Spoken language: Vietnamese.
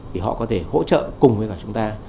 thì họ có thể hỗ trợ cùng với cả chúng ta